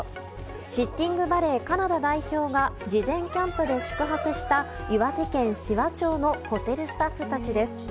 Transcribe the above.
シッティングバレーカナダ代表が事前キャンプで宿泊した岩手県紫波町のホテルスタッフたちです。